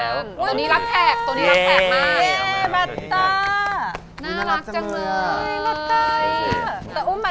น่ารักจังเนื้อ